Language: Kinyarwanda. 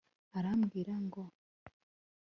arambwira ngo